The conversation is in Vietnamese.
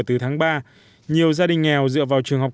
từ tháng ba nhiều gia đình nghèo dựa vào trường học